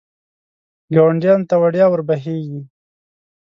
ګاونډیانو ته وړیا ور بهېږي.